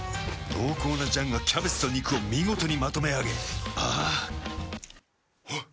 濃厚な醤がキャベツと肉を見事にまとめあげあぁあっ。